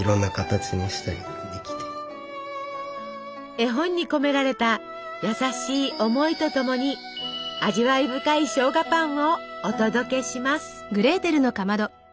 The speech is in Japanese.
絵本に込められた優しい思いとともに味わい深いしょうがパンをお届けします！